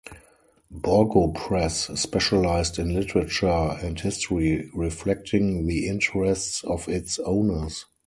Borgo Press specialized in literature and history, reflecting the interests of its owners.